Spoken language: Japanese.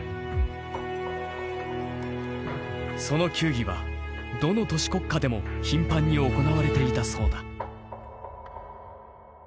その球技はどの都市国家でも頻繁に行われていたそうだ。